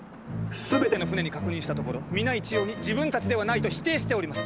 全ての船に確認したところ皆一様に自分たちではないと否定しております。